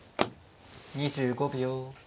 ２５秒。